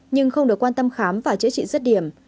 nhưng không được quan tâm khám và chữa trị rứt điểm